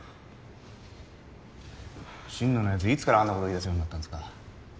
心野のやついつからあんなこと言い出すようになったんですか？